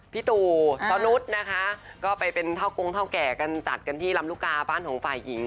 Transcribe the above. พี่ตู่ตอนนุษย์นะคะก็ไปเป็นเท่ากงเท่าแก่กันจัดกันที่ลำลูกกาบ้านของฝ่ายหญิง